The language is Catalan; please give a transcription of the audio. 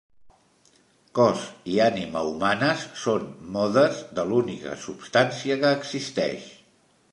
Cos i ànima humanes són modes de l'única substància que existeix.